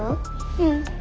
うん。